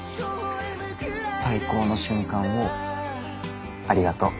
最高の瞬間をありがとう。